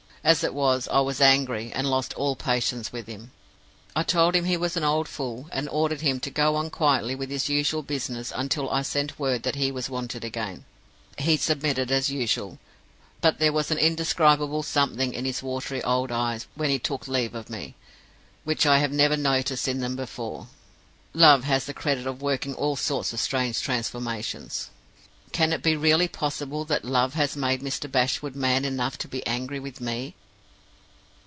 As it was, I was angry, and lost all patience with him. I told him he was an old fool, and ordered him to go on quietly with his usual business until I sent him word that he was wanted again. He submitted as usual; but there was an indescribable something in his watery old eyes, when he took leave of me, which I have never noticed in them before. Love has the credit of working all sorts of strange transformations. Can it be really possible that Love has made Mr. Bashwood man enough to be angry with me?